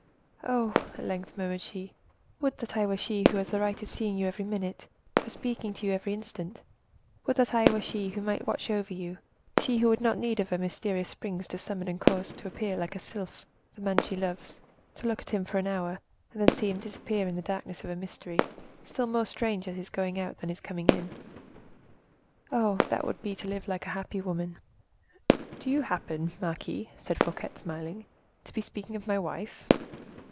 "Oh!" at length murmured she, "would that I were she who has the right of seeing you every minute, of speaking to you every instant! would that I were she who might watch over you, she who would have no need of mysterious springs to summon and cause to appear, like a sylph, the man she loves, to look at him for an hour, and then see him disappear in the darkness of a mystery, still more strange at his going out than at his coming in. Oh! that would be to live like a happy woman!" "Do you happen, marquise," said Fouquet, smiling, "to be speaking of my wife?"